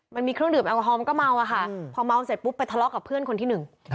มันมีเครื่องดื่มแอลกอฮอลมันก็เมาอะค่ะพอเมาเสร็จปุ๊บไปทะเลาะกับเพื่อนคนที่หนึ่ง